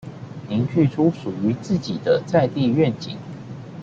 凝聚出屬於自己的在地願景